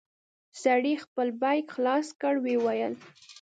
سړي خپل بېګ خلاص کړ ويې ويل.